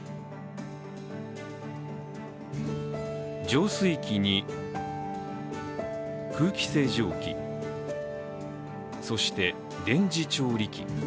浄水器に空気清浄機、そして電磁調理器。